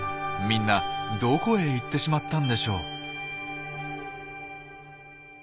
みんなどこへ行ってしまったんでしょう？